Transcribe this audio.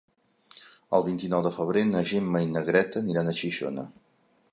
El vint-i-nou de febrer na Gemma i na Greta aniran a Xixona.